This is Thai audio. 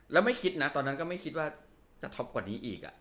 แล้วไม่คิดนะตอนนั้นก็ไม่คิดว่าจะท็อปกว่านี้อีก